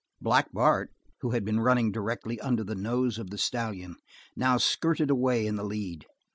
Black Bart, who had been running directly under the nose of the stallion, now skirted away in the lead.